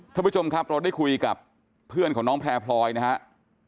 ท่านผู้ชมครับเราได้คุยกับเพื่อนของน้องแพร่พลอยนะครับ